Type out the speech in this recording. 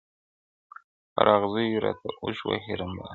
پر اغزیو راته اوښ وهي رمباړي.!